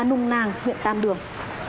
nung nàng huyện tam đường